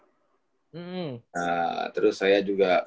nah terus saya juga